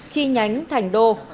chi nhánh thành đô